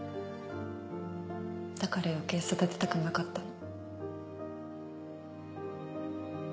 だから余計育てたくなかったの。